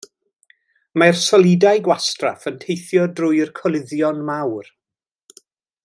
Mae'r solidau gwastraff yn teithio drwy'r coluddion mawr.